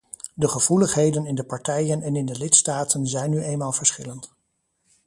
De gevoeligheden in de partijen en in de lidstaten zijn nu eenmaal verschillend.